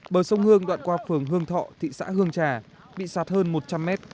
bờ sông hương đoạn qua phường hương thọ thị xã hương trà bị sạt hơn một trăm linh mét